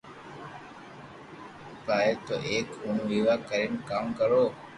بائي تو ايڪ ھڻ ويوا ڪرين ڪاوُ ڪرو